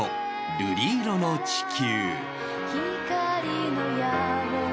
「瑠璃色の地球」